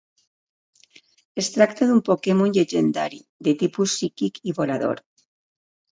Es tracta d'un Pokémon llegendari, de tipus psíquic i volador.